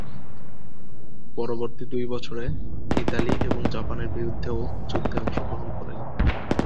পরবর্তী দুই বছরে ইতালি এবং জাপানের বিরুদ্ধেও যুদ্ধে অংশগ্রহণ করে।